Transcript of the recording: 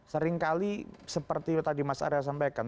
seringkali seperti tadi mas arya sampaikan